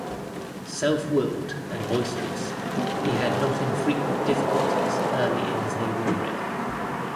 Self-willed and boisterous, he had not infrequent difficulties early in his naval career.